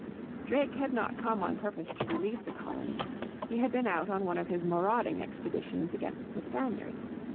Drake had not come on purpose to relieve the colony. He had been out on one of his marauding expeditions against the Spaniards.